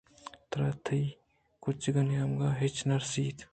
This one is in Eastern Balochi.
ترا تئی کُچکّ ءِ نیمگ ءَ ہچ نہ رسیت